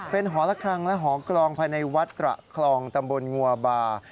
เป็นหอละครั้งและหอกลองภายในวัดกระคลองตำบลงัวบา